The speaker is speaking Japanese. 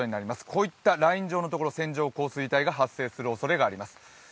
こういったライン状のところ、線状降水帯が発生するおそれがあります。